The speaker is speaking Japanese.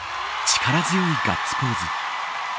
力強いガッツポーズ。